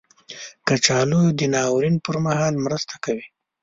کچالو د ناورین پر مهال مرسته کوي